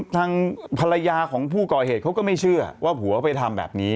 ทางภรรยาของผู้ก่อเหตุเขาก็ไม่เชื่อว่าผัวไปทำแบบนี้